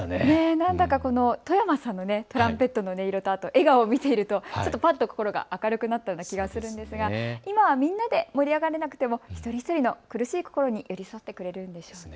なんだか外山さんのトランペットの音色と笑顔を見ていると、ぱっと心が明るくなった気がするんですが、今はみんなで盛り上がれなくても一人一人の苦しい心に寄り添ってくれるんでしょうね。